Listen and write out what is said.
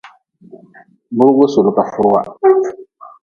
Burgu suli ka furwa.